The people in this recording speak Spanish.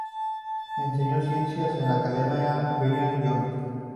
Enseñó ciencias en la Academia Brigham Young.